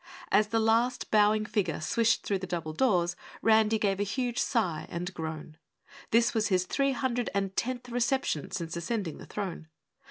As the last bowing figure swished through the double doors, Randy gave a huge sigh and groan. This was his three hundred and tenth reception since ascending the throne.